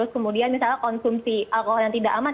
kemudian misalnya konsumsi alkohol yang tidak aman